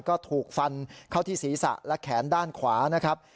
ก็ถูกฟันเข้าที่ศีรษะและแขนด้านขวานะครับ